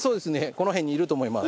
この辺にいると思います。